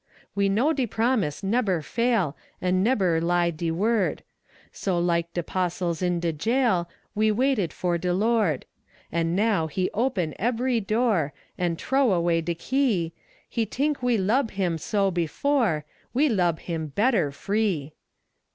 We know de promise nebber fail, An' nebber lie de Word; So, like de 'postles in de jail, We waited for de Lord. An' now He open ebery door, An' trow away de key, He tink we lub Him so before, We lub Him better free.